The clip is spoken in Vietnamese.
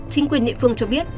chính quyền địa phương cho biết